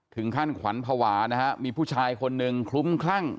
ถึงขั้นขวัญภาวะนะฮะมีผู้ชายคนหนึ่งคลุ้มคลั่ง